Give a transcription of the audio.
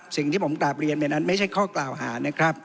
สิ่งที่ผมกราบเรียนไปนั้นไม่ใช่ข้อกล่าวหานะครับ